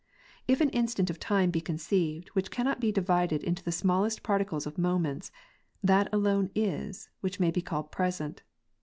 If an instant of time be conceived, which cannot be divided into the smallest particles of moments, that alone is it, which may be called present.